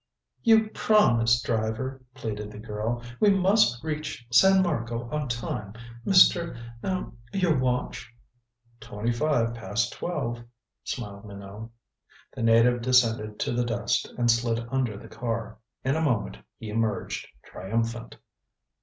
"You promised, driver," pleaded the girl. "We must reach San Marco on time. Mr. er your watch?" "Twenty five past twelve," smiled Minot. The native descended to the dust and slid under the car. In a moment he emerged, triumphant.